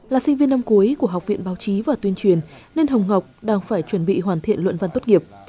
là sinh viên năm cuối của học viện báo chí và tuyên truyền nên hồng ngọc đang phải chuẩn bị hoàn thiện luận văn tốt nghiệp